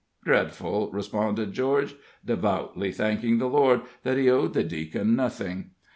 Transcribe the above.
"Dreadful," responded George, devoutly thanking the Lord that he owed the Deacon nothing.